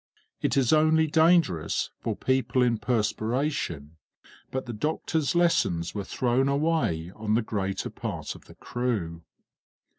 It is only dangerous for people in perspiration; but the doctor's lessons were thrown away on the greater part of the crew.